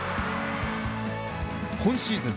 今シーズン